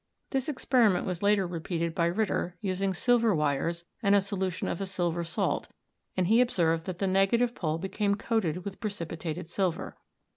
This experiment was later re peated by Ritter, using silver wires and a solution of a silver salt, and he observed that the negative pole became coated with precipitated silver.